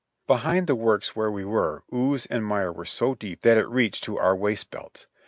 Behind the works where we were, ooze and mire were so deep that it reached to our waist belts.